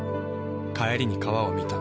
帰りに川を見た。